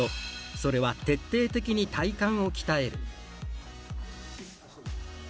それは、徹底的に体幹を鍛える。